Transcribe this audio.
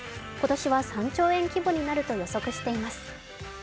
今年は３兆円規模になると予測しています。